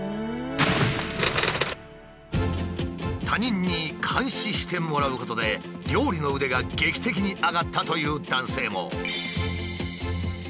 他人に監視してもらうことで料理の腕が劇的に上がったという男性も。